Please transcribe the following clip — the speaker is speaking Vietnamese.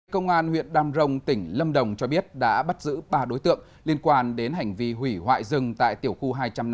công an huyện đam rồng tỉnh lâm đồng cho biết đã bắt giữ ba đối tượng liên quan đến hành vi hủy hoại rừng tại tiểu khu hai trăm năm mươi bốn